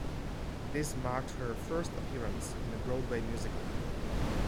This marked her first appearance in a Broadway musical.